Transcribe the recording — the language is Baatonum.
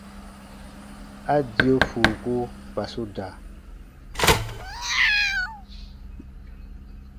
A dio fuuku kpa su da.